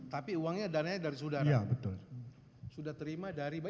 tapi uangnya dananya dari saudara